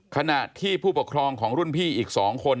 ขณะที่ผู้ปกครองของรุ่นพี่อีก๒คน